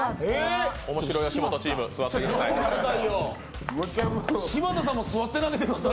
おもしろ吉本チーム座ってください。